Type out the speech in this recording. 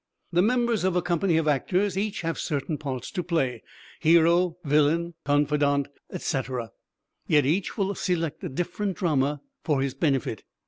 The members of a company of actors each have certain parts to play hero, villain, confidant, etc. yet each will select a different drama for his benefit.